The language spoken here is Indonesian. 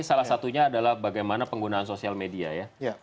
salah satunya adalah bagaimana penggunaan sosial media ya